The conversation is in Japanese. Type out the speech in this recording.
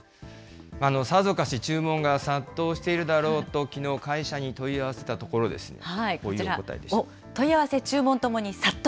さぞかし注文が殺到しているだろうと、きのう、会社に問い合わせたところですね、こういうお答え問い合わせ、注文ともに殺到。